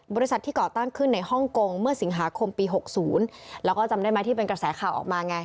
บริษัทที่ก่อตั้งขึ้นในฮ่องกงเมื่อสิงหาคมปี๖๐แล้วก็จำได้ไหมที่เป็นกระแสข่าวออกมาไง